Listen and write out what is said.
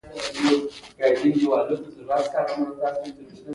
احمد وويل: ونې غتې پاڼې لري.